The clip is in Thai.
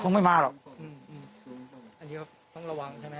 ปิโดนพระบิดาเอ่อใช่พระบิดาอันนี้ต้องระวัง